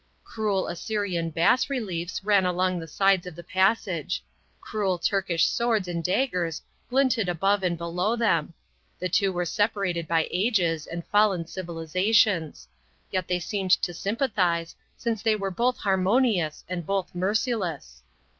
Cruel Assyrian bas reliefs ran along the sides of the passage; cruel Turkish swords and daggers glinted above and below them; the two were separated by ages and fallen civilizations. Yet they seemed to sympathize since they were both harmonious and both merciless.